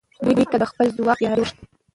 دوی ته د خپل ځواک هوښیاري وښایه.